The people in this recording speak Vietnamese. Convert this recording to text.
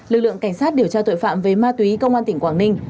lực lượng cảnh sát điều tra tội phạm về ma túy công an tỉnh quảng ninh